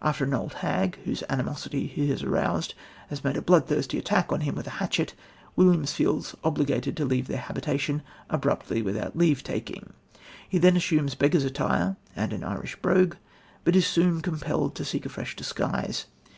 After an old hag, whose animosity he has aroused, has made a bloodthirsty attack on him with a hatchet, Williams feels obliged to leave their habitation "abruptly without leave taking." He then assumes beggar's attire and an Irish brogue, but is soon compelled to seek a fresh disguise.